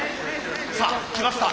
さあきました！